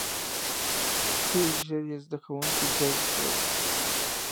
• ډېر ژر یې زده کوونکي جذب کړل.